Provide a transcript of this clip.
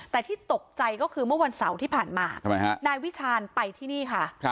แต่ที่ตกใจก็คือเมื่อวันเสาร์ที่ผ่านมานายวิชาญไปที่นี่ค่ะ